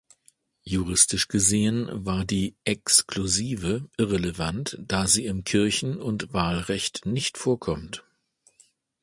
Juristisch gesehen, war die "Exclusive" irrelevant, da sie im Kirchen- und Wahlrecht nicht vorkommt.